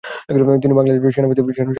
তিনি বাংলাদেশ সেনাবাহিনীতে চাকুরী করতেন।